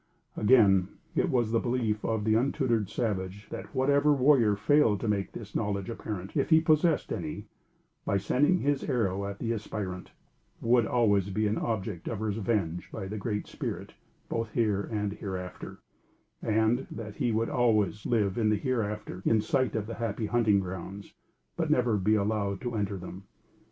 Again, it was the belief of the untutored savage that whatever warrior failed to make his knowledge apparent, if he possessed any, by sending his arrow at the aspirant, would always be an object of revenge by the Great Spirit both here and hereafter; and, that he would always live in the hereafter, in sight of the Happy Hunting Grounds, but never be allowed to enter them.